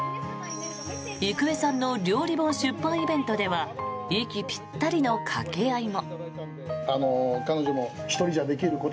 郁恵さんの料理本出版イベントでは息ぴったりの掛け合いも。